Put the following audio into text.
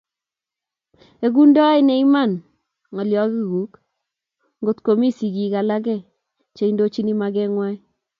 Egundoi ne iman ngolyongung ngotkomi sigik alake cheindochin magengwai